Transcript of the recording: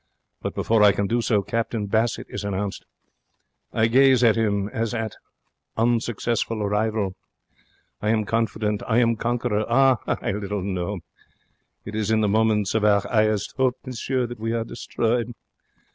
But, before I can do so, Captain Bassett is announced. I gaze at him as at unsuccessful rival. I am confident. I am conqueror. Ah, I little know! It is in the moments of our highest 'ope, monsieur, that we are destroyed.